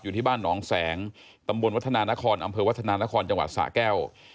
ที่บ้านหนองแสงตำบลวัฒนานครอำเภอวัฒนานครจังหวัดสะแก้ว